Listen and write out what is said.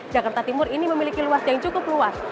jakarta timur ini memiliki luas yang cukup luas